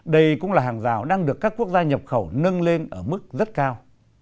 đây cũng là hàng rào đang được các quốc gia nhập khẩu nâng lên ở mức rất cao